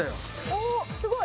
おっすごい。